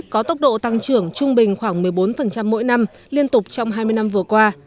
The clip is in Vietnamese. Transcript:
có tốc độ tăng trưởng trung bình khoảng một mươi bốn mỗi năm liên tục trong hai mươi năm vừa qua